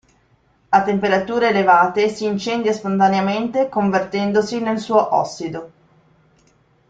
A temperature elevate si incendia spontaneamente convertendosi nel suo ossido.